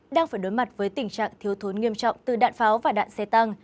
đang phải đối mặt với tình trạng thiếu thốn nghiêm trọng từ đạn pháo và đạn xe tăng